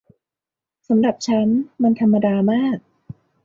สำหรับฉันมันธรรมดามาก